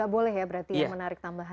gak boleh ya berarti menarik tambahan